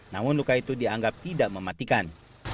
namun luka itu dianggap tidak mematikan